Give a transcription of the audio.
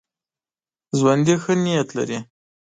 ژوندي ښه نیت لري